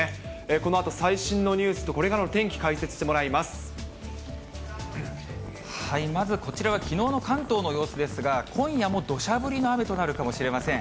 このあと最新のニュースと、これからの天気、解説してもらいまず、こちらはきのうの関東の様子ですが、今夜もどしゃ降りの雨となるかもしれません。